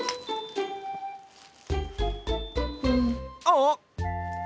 あっ！